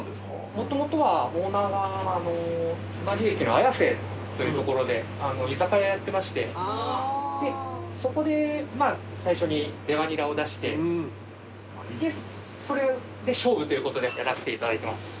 もともとはオーナーが隣駅の綾瀬という所で居酒屋やってましてそこで最初にレバにらを出してそれで勝負ということでやらせていただいてます。